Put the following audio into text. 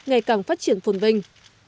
ngày càng phát triển phùng vinh